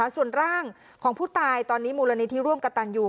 ส่วนร่างของผู้ตายตอนนี้มูลนิธิร่วมกับตันอยู่